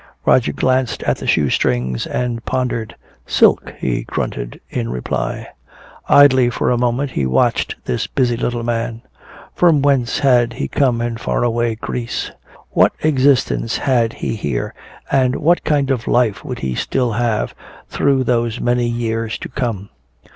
Roger glanced at the shoe strings and pondered. "Silk," he grunted in reply. Idly for a moment he watched this busy little man. From whence had he come in far away Greece? What existence had he here, and what kind of life would he still have through those many years to come?